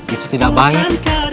itu tidak baik